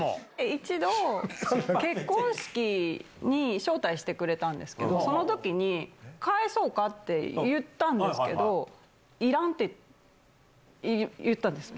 一度、結婚式に招待してくれたんですけど、そのときに、返そうかって言ったんですけど、いらんって言ったんです。